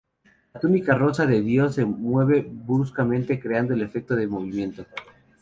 La túnica rosa de Dios se mueve bruscamente creando el efecto de movimiento.